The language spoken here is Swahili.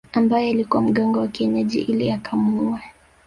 Ambaye alikuwa mganga wa kienyeji ili akamuue